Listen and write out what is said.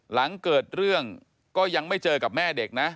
หลังเกิดเรื่องก็ยังไม่เจอกับแม่เด็กนะ